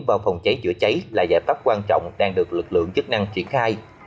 vào phòng cháy chữa cháy là giải pháp quan trọng đang được lực lượng chức năng triển khai